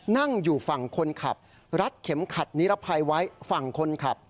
นั่งอยู่ฝั่งคนขับรัดเข็มขัดนิรภัยไว้ฝั่งคนขับ